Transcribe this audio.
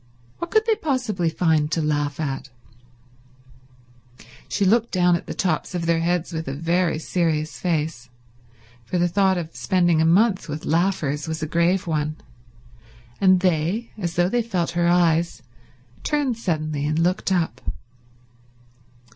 What could they possibly find to laugh at? She looked down on the tops of their heads with a very serious face, for the thought of spending a month with laughers was a grave one, and they, as though they felt her eyes, turned suddenly and looked up.